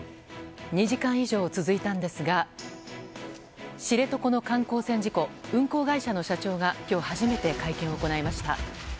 ２時間以上続いたんですが知床の観光船事故運航会社の社長が今日初めて会見を行いました。